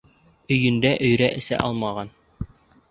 Өйөндә өйрә эсә алмаған